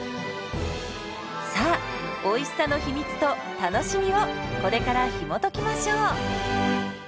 さあおいしさの秘密と楽しみをこれからひもときましょう。